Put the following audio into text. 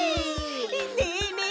ねえねえ